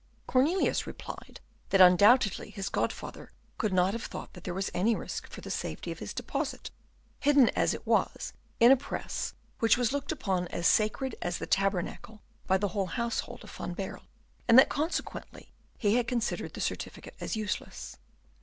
Cornelius replied that undoubtedly his godfather could not have thought that there was any risk for the safety of his deposit, hidden as it was in a press which was looked upon as sacred as the tabernacle by the whole household of Van Baerle; and that consequently he had considered the certificate as useless.